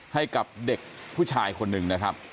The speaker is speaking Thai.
ให้กับผู้ชายคนนึง